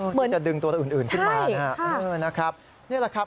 เหมือนจะดึงตัวอื่นขึ้นมานะครับนะครับนี่แหละครับ